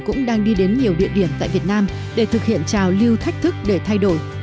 cũng đang đi đến nhiều địa điểm tại việt nam để thực hiện trào lưu thách thức để thay đổi